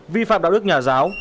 vi phạm đạo đức nhà giáo